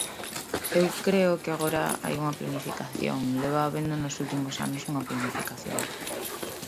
Eu creo que agora hai unha planificación, leva habendo nos últimos anos unha planificación.